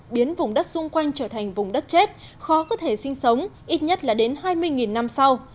biến vùng đất xung quanh trở thành vùng đất chết khó có thể sinh sống ít nhất là đến hai mươi năm sau